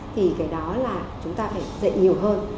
thì cái đó là chúng ta phải dạy nhiều hơn